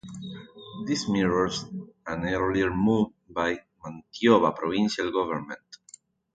This mirrors an earlier move by the Manitoba provincial government.